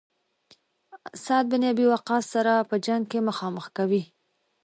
سعد بن ابي وقاص سره په جنګ کې مخامخ کوي.